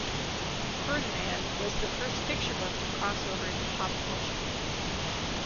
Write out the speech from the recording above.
"Ferdinand" was the first picture book to crossover into pop culture.